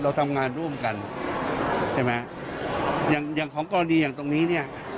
เราทำงานร่วมกันใช่ไหมอย่างอย่างของกรณีอย่างตรงนี้เนี่ย